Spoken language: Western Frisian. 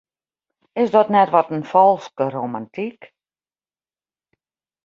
Is dat net wat in falske romantyk?